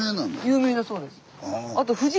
有名だそうです。